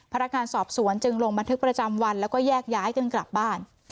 พนักงานสอบสวนจึงลงบันทึกประจำวันแล้วก็แยกย้ายกันกลับบ้าน